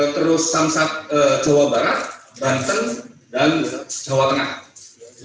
terus samsat jawa barat banten dan jawa tengah